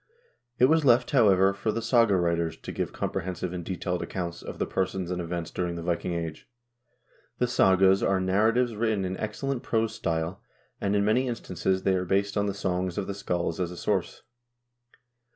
It was left, however, for the saga writers to give comprehensive and detailed accounts of the persons and events during the Viking Age. The sagas are narratives written in excellent prose style, and in many instances they are based on the songs of the scalds as a source.